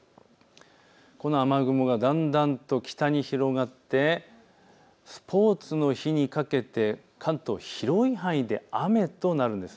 この雨雲がだんだんと北に広がってスポーツの日にかけて関東、広い範囲で雨となるんです。